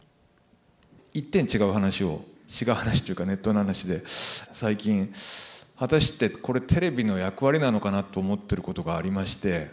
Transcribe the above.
一点違う話を違う話というかネットの話で最近果たしてこれテレビの役割なのかなと思ってることがありまして。